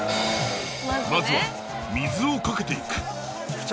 まずは水をかけていく。